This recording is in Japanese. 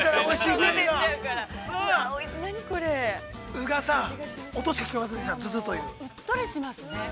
◆うっとりしましすね。